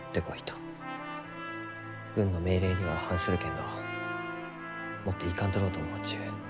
軍の命令には反するけんど持っていかんとろうと思うちゅう。